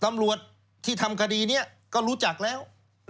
ตำรวจที่ทำคดีนี้ก็รู้จักแล้ว